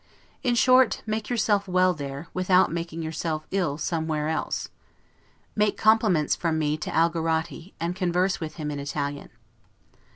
In short, make yourself well there, without making yourself ill SOMEWHERE ELSE. Make compliments from me to Algarotti, and converse with him in Italian.